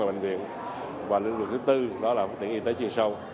và lĩnh vực thứ tư đó là phát triển y tế chuyên sâu